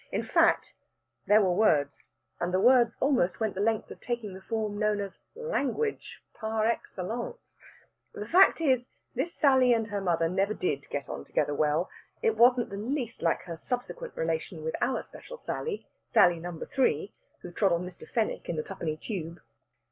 In fact, there were words, and the words almost went the length of taking the form known as "language" par excellence. The fact is, this Sally and her mother never did get on together well; it wasn't the least like her subsequent relation with our special Sally Sally number three who trod on Mr. Fenwick in the Twopenny Tube.